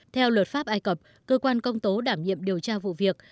theo luật pháp ai cập cơ quan công tố đảm nhiệm điều tra vụ việc